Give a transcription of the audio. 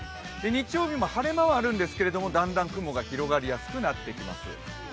日曜日も晴れ間はあるんですけれどもだんだん雲が広がりやすくなってきます。